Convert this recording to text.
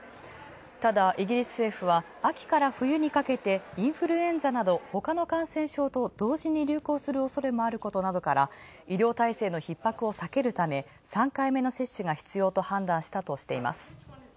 ただ、イギリス政府は秋から冬にかけてインフルエンザなど同時に流行するおそれもあることなどから、医療体制ひっ迫を避けるため３回目の接種が必要と判断したとしています。